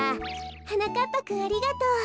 はなかっぱくんありがとう。